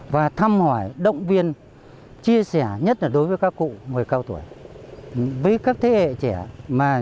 và thăm hỏi động viên chia sẻ nhất là đối với các cụ người cao tuổi với các thế hệ trẻ